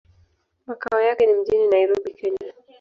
Makao yake ni mjini Nairobi, Kenya.